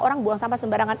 orang buang sampah sembarangan